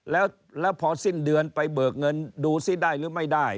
แล้วพอสิ้นเดือนไปเบิกเงินดูซิได้หรือไม่ได้